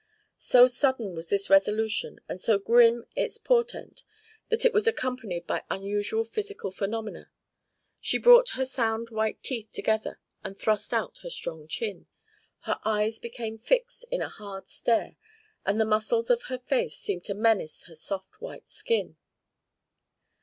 So sudden was this resolution and so grim its portent that it was accompanied by unusual physical phenomena: she brought her sound white teeth together and thrust out her strong chin; her eyes became fixed in a hard stare and the muscles of her face seemed to menace her soft white skin.